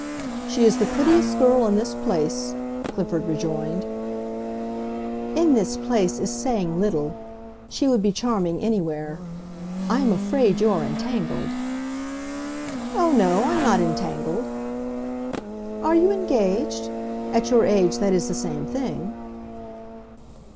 "She is the prettiest girl in this place," Clifford rejoined. "'In this place' is saying little; she would be charming anywhere. I am afraid you are entangled." "Oh, no, I'm not entangled." "Are you engaged? At your age that is the same thing."